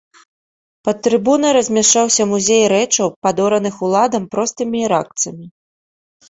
Пад трыбунай размяшчаўся музей рэчаў, падораных уладам простымі іракцамі.